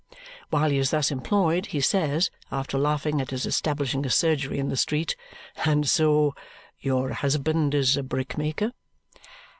While he is thus employed, he says, after laughing at his establishing a surgery in the street, "And so your husband is a brickmaker?"